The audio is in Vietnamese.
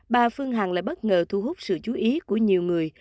bà phương hằng lại bất ngờ thu hút sự chú ý của nhiều người